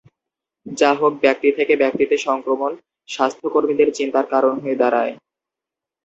যাহোক, ব্যক্তি থেকে ব্যক্তিতে সংক্রমণ স্বাস্থ্য কর্মীদের চিন্তার কারণ হয়ে দাড়ায়।